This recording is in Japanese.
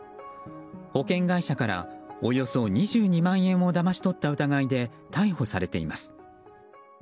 保険会社からおよそ２２万円をだまし取った疑いで逮捕されています。